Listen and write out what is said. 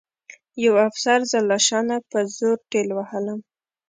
یوه افسر زه له شا نه په زور ټېل وهلم